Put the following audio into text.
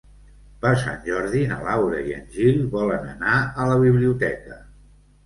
Per Sant Jordi na Laura i en Gil volen anar a la biblioteca.